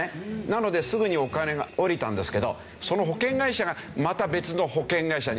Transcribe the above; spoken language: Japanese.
なのですぐにお金が下りたんですけどその保険会社がまた別の保険会社に入ってたんですね。